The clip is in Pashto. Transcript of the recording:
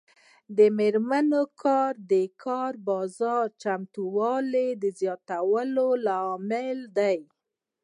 د میرمنو کار د کار بازار چمتووالي زیاتولو لامل دی.